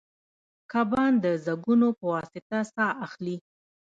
کبان د زګونو په واسطه ساه اخلي